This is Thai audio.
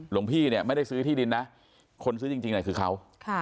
หลวงพี่เนี่ยไม่ได้ซื้อที่ดินนะคนซื้อจริงคือเขา